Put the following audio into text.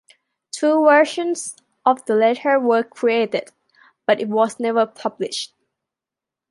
Two versions of the letter were created, but it was never published.